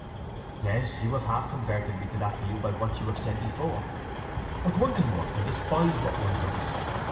"Yes—you have half converted me to that view by what you have said before. But one can work, and despise what one does.